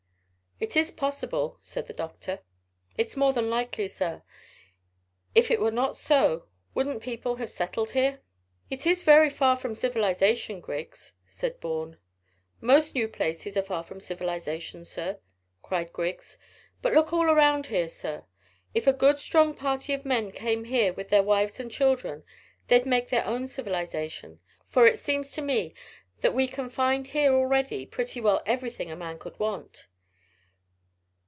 "It is possible," said the doctor. "It's more than likely, sir. If it were not so, wouldn't people have settled here?" "It is very far from civilisation, Griggs," said Bourne. "Most new places are far from civilisation, sir," cried Griggs. "But look all round here, sir; if a good strong party of men came here with their wives and children they'd make their own civilisation, for it seems to me that we can find here already pretty well everything a man could want.